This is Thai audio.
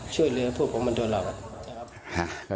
ช่วยเรือพวกผมมาโดนเรา